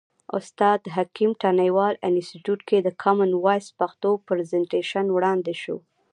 استاد حکیم تڼیوال انستیتیوت کې د کامن وایس پښتو پرزنټیشن وړاندې شو.